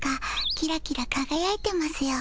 キラキラかがやいてますよ。